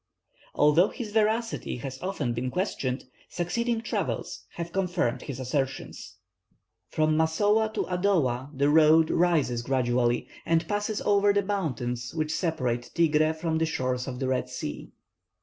Although his veracity has often been questioned, succeeding travellers have confirmed his assertions. From Massowah to Adowa the road rises gradually, and passes over the mountains which separate Tigré from the shores of the Red Sea.